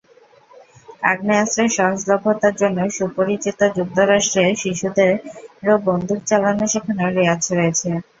আগ্নেয়াস্ত্রের সহজলভ্যতার জন্য সুপরিচিত যুক্তরাষ্ট্রে শিশুদেরও বন্দুক চালানো শেখানোর রেওয়াজ রয়েছে।